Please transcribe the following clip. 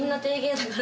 だから。